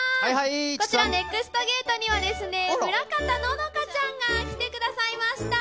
こちら、ＮＥＸＴゲートにはですね、村方乃々佳ちゃんが来てくださいました。